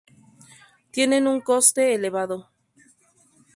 Tienen un coste elevado.